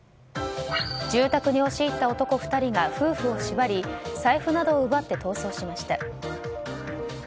住宅に押し入った男２人が夫婦を縛り財布などを奪って逃走しました。